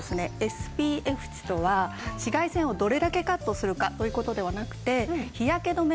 ＳＰＦ値とは紫外線をどれだけカットするかという事ではなくて日焼け止め